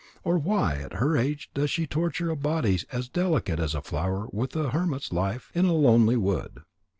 Or why at her age does she torture a body as delicate as a flower with a hermit's life in a lonely wood?"